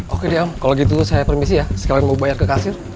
oke diam kalau gitu saya permisi ya sekalian mau bayar ke kasir